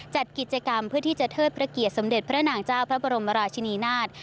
จัดกิจกรรมเพื่อที่จะเทิดพระเกียรติสมเด็จพระนางเจ้าพระบรมราชินีนาฏ